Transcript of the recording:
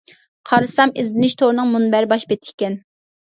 قارىسام ئىزدىنىش تورىنىڭ مۇنبەر باش بېتى ئىكەن.